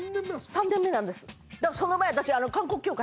３年目なんすか？